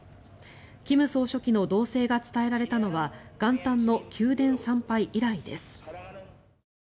金総書記の動静が伝えられたのは元旦の宮殿参拝以来です。